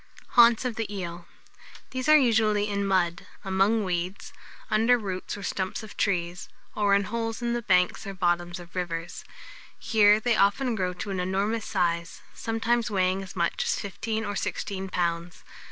HAUNTS OF THE EEL. These are usually in mud, among weeds, under roots or stumps of trees, or in holes in the banks or the bottoms of rivers. Here they often grow to an enormous size, sometimes weighing as much as fifteen or sixteen pounds.